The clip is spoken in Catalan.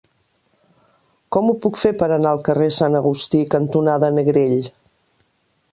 Com ho puc fer per anar al carrer Sant Agustí cantonada Negrell?